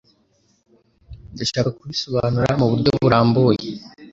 Ndashaka kubisobanura muburyo burambuye.